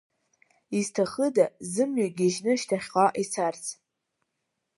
Изҭахыда, зымҩа гьежьны шьҭахьҟа ицарц?